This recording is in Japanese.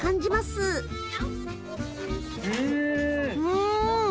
うん！